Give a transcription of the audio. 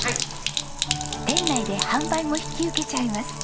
店内で販売も引き受けちゃいます。